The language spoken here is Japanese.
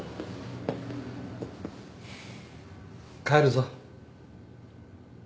帰るぞ。